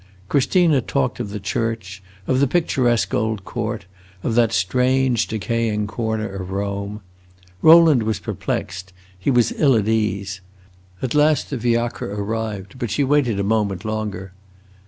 Christina talked of the church, of the picturesque old court, of that strange, decaying corner of Rome. Rowland was perplexed; he was ill at ease. At last the fiacre arrived, but she waited a moment longer.